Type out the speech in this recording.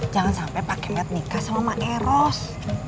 jangan sampai pak kemet nikah sama ma eros